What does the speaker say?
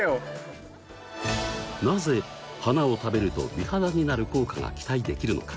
なぜ花を食べると美肌になる効果が期待できるのか？